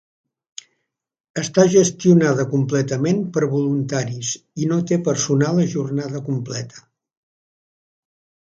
Està gestionada completament per voluntaris i no té personal a jornada completa.